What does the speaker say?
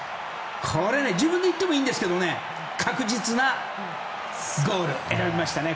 自分でいってもいいんですけど確実なゴールを選びましたね。